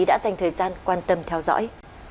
đã dành thời gian quan tâm theo dõi